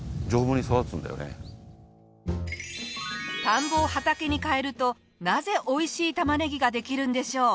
田んぼを畑に変えるとなぜおいしいたまねぎができるんでしょう？